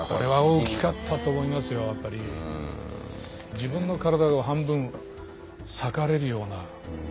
自分の体が半分裂かれるような。